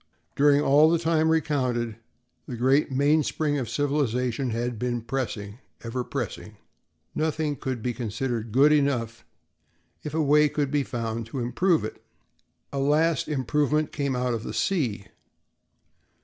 During all the time recounted, the great mainspring of civilization had been pressing, ever pressing. Nothing could be considered "good enough" if a way could be found to improve it. At last an improvement came out of the sea.